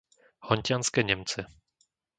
Hontianske Nemce